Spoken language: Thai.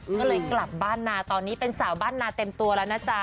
ก็เลยกลับบ้านนาตอนนี้เป็นสาวบ้านนาเต็มตัวแล้วนะจ๊ะ